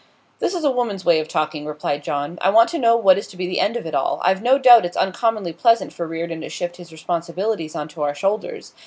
'This is a woman's way of talking,' replied John. 'I want to know what is to be the end of it all? I've no doubt it's uncommonly pleasant for Reardon to shift his responsibilities on to our shoulders.